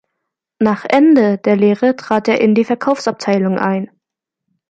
Nach Ende der Lehre trat er in die Verkaufsabteilung ein.